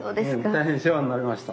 大変世話になりました。